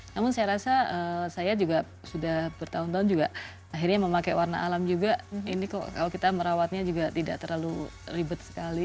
namun saya rasa saya juga sudah bertahun tahun juga akhirnya memakai warna alam juga ini kok kalau kita merawatnya juga tidak terlalu ribet sekali